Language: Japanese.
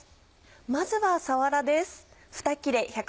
まずはさわらです。